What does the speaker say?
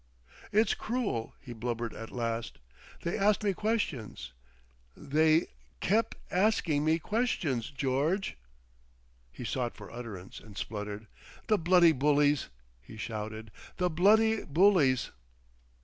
"It's cruel," he blubbered at last. "They asked me questions. They kep' asking me questions, George." He sought for utterance, and spluttered. "The Bloody bullies!" he shouted. "The Bloody Bullies."